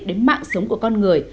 đến mạng sống của con người